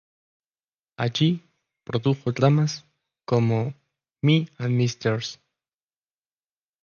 Allí, produjo dramas como "Me and Mrs.